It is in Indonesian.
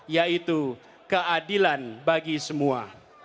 yaitu keadilan bagi semua